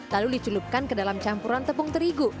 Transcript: lalu diculupkan ke dalam campuran tepung terigu